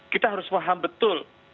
kita harus paham betul